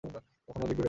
কখনো গিট বেধেছো?